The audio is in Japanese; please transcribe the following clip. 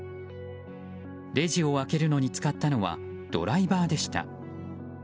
レジを開けるのに使ったのはドライバーでした。